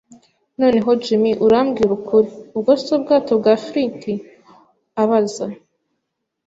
“Noneho, Jim, urambwira ukuri: ubwo si ubwato bwa Flint?” abaza.